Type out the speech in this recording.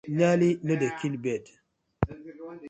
Nearly no dey kill bird: